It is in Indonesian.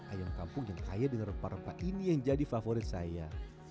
ayam kampung yang kaya dengan rempah rempah ini yang jadi favorit saya